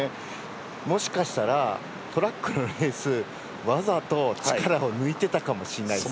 もしかしたら、トラックのレースわざと力を抜いてたかもしれないです。